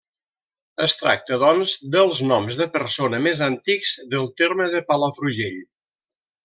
Es tracta, doncs, dels noms de persona més antics del terme de Palafrugell.